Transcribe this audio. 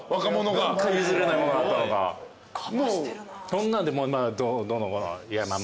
そんなんでどうのこうの。